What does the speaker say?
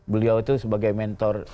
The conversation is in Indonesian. beliau itu sebagai mentor